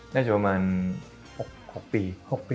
น่าจะประมาณ๖ปี